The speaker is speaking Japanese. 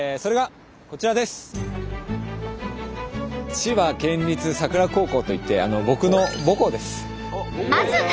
千葉県立佐倉高校といって僕の母校です。